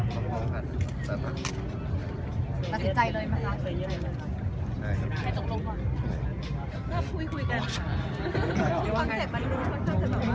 ของของของเถอะสุดท้ายมาถูกใจเลยมา